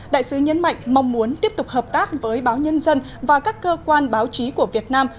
đại sứ nhấn mạnh mong muốn tiếp tục hợp tác với báo nhân dân và các cơ quan báo chí của việt nam